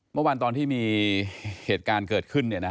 เมื่อวานตอนที่มีเหตุการณ์เกิดขึ้น